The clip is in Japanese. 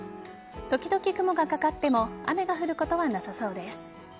時々、雲がかかっても雨が降ることはなさそうです。